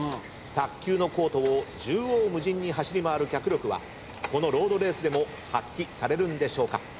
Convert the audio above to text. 卓球のコートを縦横無尽に走り回る脚力はこのロードレースでも発揮されるんでしょうか？